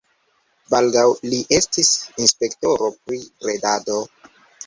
Baldaŭ li estis inspektoro pri bredado.